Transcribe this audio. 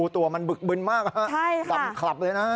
ตัวมันบึกบึนมากดำคลับเลยนะ